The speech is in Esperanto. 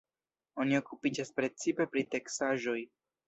Oni okupiĝas precipe pri teksaĵoj.